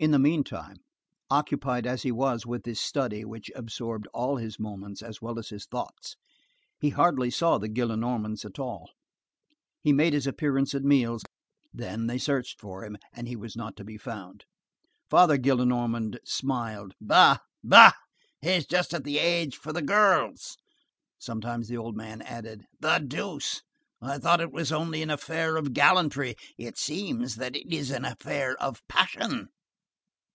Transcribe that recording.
In the meanwhile, occupied as he was with this study which absorbed all his moments as well as his thoughts, he hardly saw the Gillenormands at all. He made his appearance at meals; then they searched for him, and he was not to be found. Father Gillenormand smiled. "Bah! bah! He is just of the age for the girls!" Sometimes the old man added: "The deuce! I thought it was only an affair of gallantry. It seems that it is an affair of passion!"